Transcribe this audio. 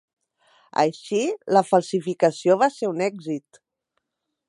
Així, la falsificació va ser un èxit.